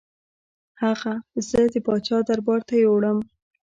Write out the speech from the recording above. هغه زه د پاچا دربار ته یووړم.